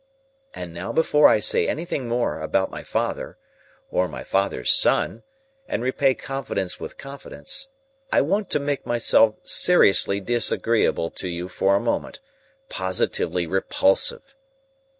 And now before I say anything more about my father, or my father's son, and repay confidence with confidence, I want to make myself seriously disagreeable to you for a moment,—positively repulsive."